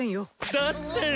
だって！